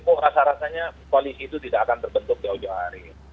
kok rasa rasanya koalisi itu tidak akan terbentuk di ujung hari